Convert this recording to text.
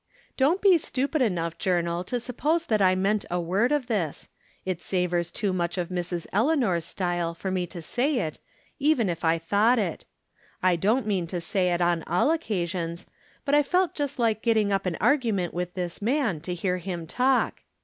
Don't be stupid enough, journal, to suppose that I meant a word of this ; it savors too much of Mrs. Eleanor's style for me to say it, even if I thought it. I don't mean to say it on all occa sions, but I felt just like getting up an argument with this man, to hear Mm talk.